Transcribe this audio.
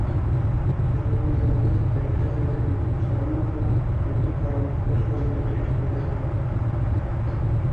Көндөҙ ундай-бындай сетерекле хәлдәр бигүк осрамаһа ла, төндөң ҡараңғы ҡоршауында төрлө хәлдәр була.